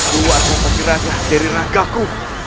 buatku baki raja dari raga ku